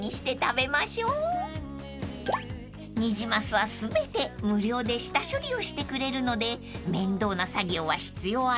［ニジマスは全て無料で下処理をしてくれるので面倒な作業は必要ありません］